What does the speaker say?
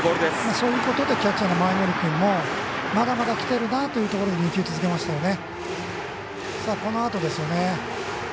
そういうことでキャッチャーの前盛君もまだまだきているなというので２球、続けましたね。